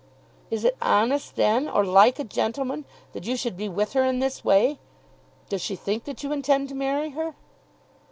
"Is it honest then, or like a gentleman, that you should be with her in this way? Does she think that you intend to marry her?"